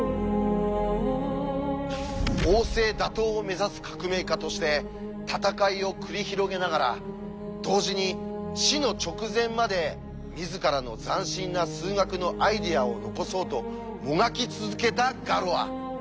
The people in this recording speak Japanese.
王政打倒を目指す革命家として戦いを繰り広げながら同時に死の直前まで自らの斬新な数学のアイデアを残そうともがき続けたガロア。